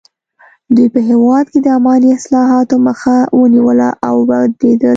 دوی په هېواد کې د اماني اصلاحاتو مخه ونیوله او ودریدل.